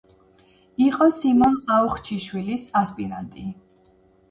იყო სიმონ ყაუხჩიშვილის ასპირანტი.